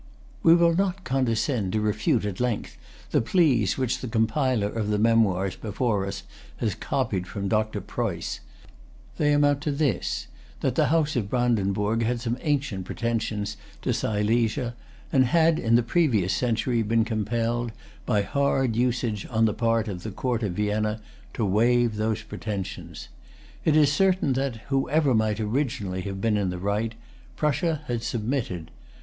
We will not condescend to refute at length the pleas which the compiler of the Memoirs before us has copied from Doctor Preuss. They amount to this, that the House of Brandenburg had some ancient pretensions to Silesia, and had in the previous century been compelled, by hard usage on the part of the Court of Vienna, to waive those pretensions. It is certain that, whoever might originally have been in the right, Prussia had submitted.